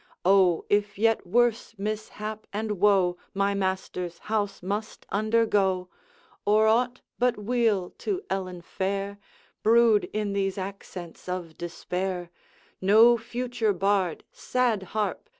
O! if yet worse mishap and woe My master's house must undergo, Or aught but weal to Ellen fair Brood in these accents of despair, No future bard, sad Harp!